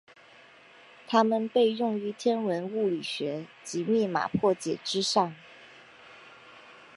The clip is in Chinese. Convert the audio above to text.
它们被用于天文物理学及密码破解之上。